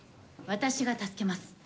私が助けます。